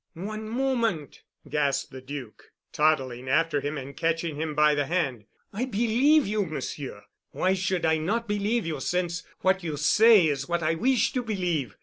"One moment," gasped the Duc, toddling after him and catching him by the hand, "I believe you, Monsieur. Why should I not believe you since what you say is what I wish to believe?